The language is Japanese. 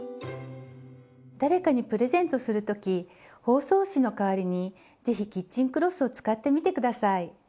誰かにプレゼントする時包装紙の代わりに是非キッチンクロスを使ってみて下さい。